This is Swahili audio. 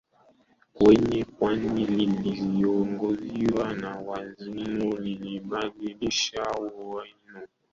kwenye pwani lililoanzishwa na Wazungu lilibadilisha uwiano